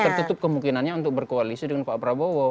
dan pertanyaannya untuk berkoalisi dengan pak prabowo